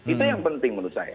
itu yang penting menurut saya